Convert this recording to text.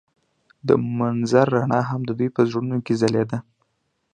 د منظر رڼا هم د دوی په زړونو کې ځلېده.